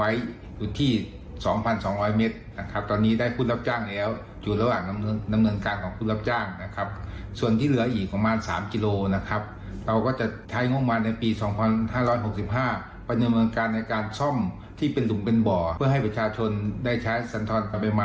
อ้าวถ้าถนนจริงนี้มันยาว๕นะทำไปแล้ว๒กิโล